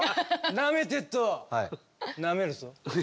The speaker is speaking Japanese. なめてっとなめるぞ。